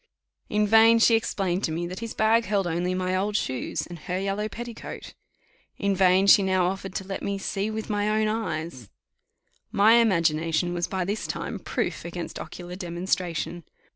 In vain she explained to me that his bag held only my old shoes and her yellow petticoat. In vain she now offered to let me see with my own eyes. My imagination was by this time proof against ocular demonstration.